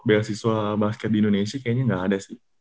beasiswa basket di indonesia kayaknya nggak ada sih